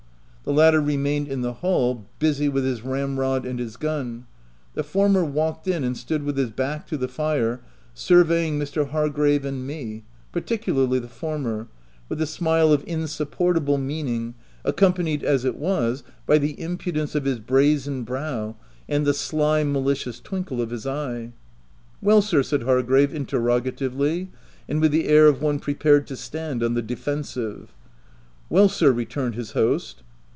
The latter remained in the hall, busy with his ram rod and his gun ; the former walked in, and stood with his back to the fire, surveying Mr. Hargrave and me, particularly the former, with a smile of insupportable meaning, accom panied as it was, by the impudence of his brazen brow and the sly, malicious twinkle of his eye. " Well, sir ?" said Hargrave interrogatively, and with the air of one prepared to stand on the defensive. u Well, sir," returned his host.